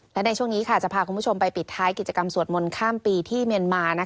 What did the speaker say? และในช่วงนี้จะพาคุณผู้ชมไปปิดท้ายกิจกรรมสวดมนต์ข้ามปีที่เมียนมา